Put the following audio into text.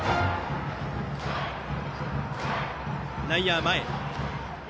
内野は前。